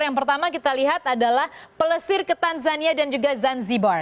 yang pertama kita lihat adalah pelesir ke tanzania dan juga zanzibar